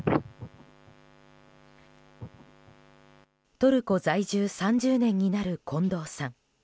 トルコ在住３０年になる近藤さん。